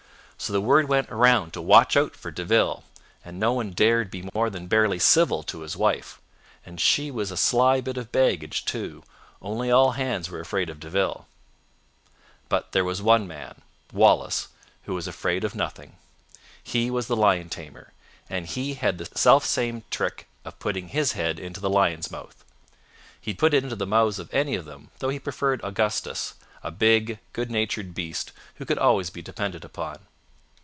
So the word went around to watch out for De Ville, and no one dared be more than barely civil to his wife. And she was a sly bit of baggage, too, only all hands were afraid of De Ville. "But there was one man, Wallace, who was afraid of nothing. He was the lion tamer, and he had the self same trick of putting his head into the lion's mouth. He'd put it into the mouths of any of them, though he preferred Augustus, a big, good natured beast who could always be depended upon.